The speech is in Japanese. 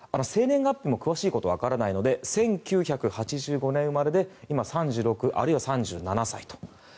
生年月日も詳しいことはわからないので１９８５年生まれで今３６、あるいは３７歳と。